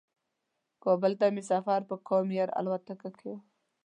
کابل ته مې سفر په کام ایر الوتکه کې و.